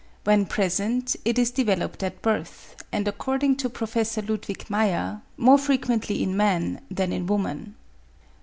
When present, it is developed at birth, and, according to Prof. Ludwig Meyer, more frequently in man than in woman.